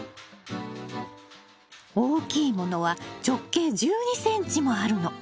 大きいものは直径１２ｃｍもあるの。